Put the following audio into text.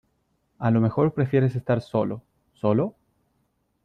a lo mejor prefieres estar solo .¿ solo ?